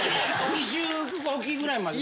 ２週おきぐらいまで。